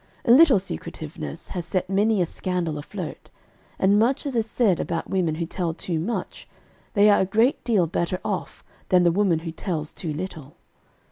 A little secretiveness has set many a scandal afloat; and much as is said about women who tell too much, they are a great deal better off than the woman who tells too little.